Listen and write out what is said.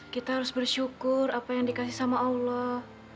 kita harus bersyukur apa yang dikasih sama allah